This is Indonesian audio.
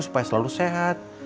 supaya selalu sehat